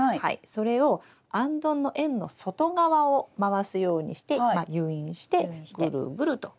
それをあんどんの円の外側を回すようにして誘引してぐるぐると。